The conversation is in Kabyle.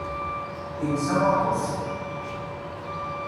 Insa waḍu-s.